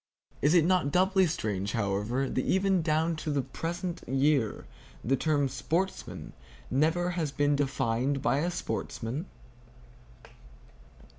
Is it not doubly strange, however, that even down to the present year the term "sportsmen" never has been defined by a sportsman!